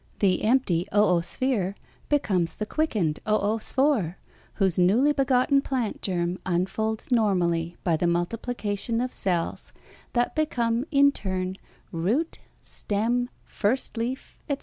The empty òösphere becomes the quickened òösphore whose newly begotten plant germ unfolds normally by the multiplication of cells that become, in turn, root, stem, first leaf, etc.